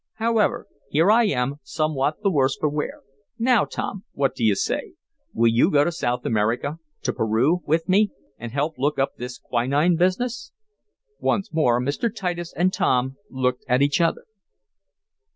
However, here I am, somewhat the worse for wear. Now Tom, what do you say? Will you go to South America to Peru with me, and help look up this Quinine business?" Once more Mr. Titus and Tom looked at each other.